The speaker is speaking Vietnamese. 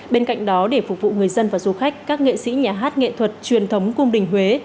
bên cạnh đó để phục vụ người dân và du khách các nghệ sĩ nhà hát nghệ thuật truyền thống cung đình huế